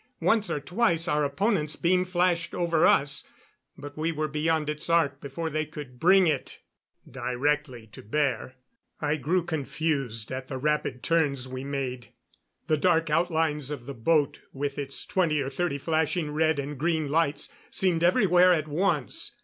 Once or twice our opponent's beam flashed over us, but we were beyond its arc before they could bring it directly to bear. I grew confused at the rapid turns we made. The dark outlines of the boat, with its twenty or thirty flashing red and green lights, seemed everywhere at once.